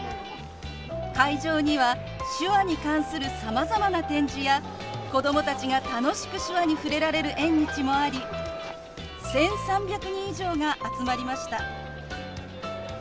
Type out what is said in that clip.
会場には手話に関するさまざまな展示や子供たちが楽しく手話に触れられる縁日もあり１，３００人以上が集まりました。